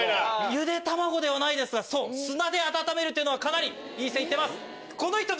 ゆで卵ではないですが砂で温めるというのはかなりいい線いってます。